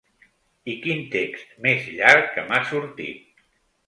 I quin text més llarg que m’ha sortit.